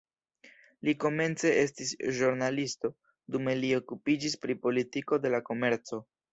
Li komence estis ĵurnalisto, dume li okupiĝis pri politiko de la komerco.